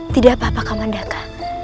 tidak apa apa kaman daka